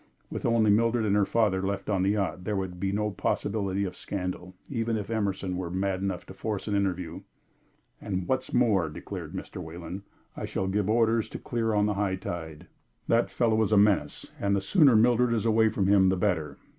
With only Mildred and her father left on the yacht, there would be no possibility of scandal, even if Emerson were mad enough to force an interview. "And what is more," declared Mr. Wayland, "I shall give orders to clear on the high tide. That fellow is a menace, and the sooner Mildred is away from him the better.